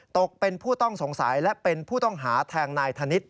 ตกเป็นผู้ต้องสงสัยและเป็นผู้ต้องหาแทงนายธนิษฐ